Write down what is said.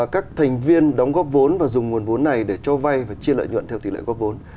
các thành viên đóng góp vốn và dùng nguồn vốn này để cho vay và chia lợi nhuận theo tỷ lệ góp vốn